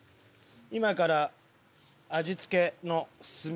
今から味付けのスミ。